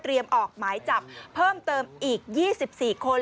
ออกหมายจับเพิ่มเติมอีก๒๔คน